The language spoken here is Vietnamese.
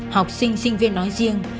học sinh sinh viên nói riêng